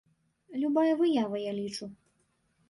Любая выява, я лічу.